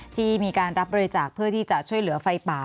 ที่มีการรับบริจาคเพื่อที่จะช่วยเหลือไฟป่า